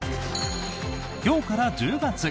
今日から１０月。